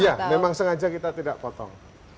iya memang sengaja kita tidak potong